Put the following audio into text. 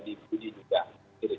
itu juga dipuji